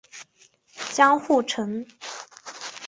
江户城。